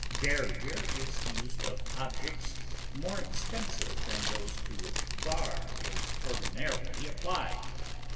Barrier is used of objects more extensive than those to which bar is ordinarily applied.